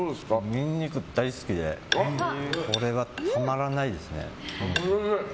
ニンニク大好きでこれはたまらないです。